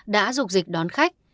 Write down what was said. đã rục dịch đón khách